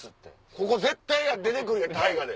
ここ絶対出て来るやん大河で。